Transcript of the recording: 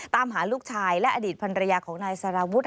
ตามหาลูกชายและอดีตภรรยาของนายสารวุฒิ